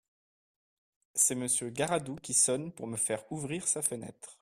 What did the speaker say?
C’est Monsieur Garadoux qui sonne pour me faire ouvrir sa fenêtre.